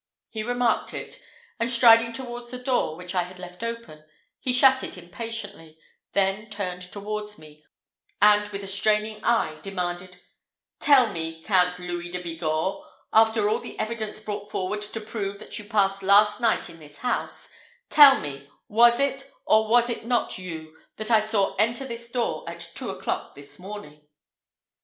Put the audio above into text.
He remarked it, and striding towards the door, which I had left open, he shut it impatiently; then turned towards me, and with a straining eye, demanded "Tell me, Count Louis de Bigorre, after all the evidence brought forward to prove that you passed last night in this house tell me, was it, or was it not you, that I saw enter this door at two o'clock this morning?"